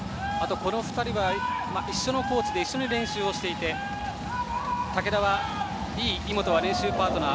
この２人は一緒のコーチで一緒に練習をしていて竹田は井本はいい練習パートナー。